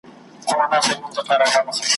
زه به دي پلو له مخي لیري کړم پخلا به سو ,